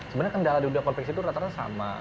sebenarnya kendala di dunia konflik itu rata rata sama